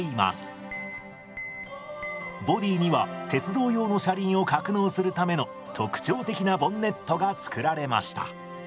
ボディーには鉄道用の車輪を格納するための特徴的なボンネットが作られました。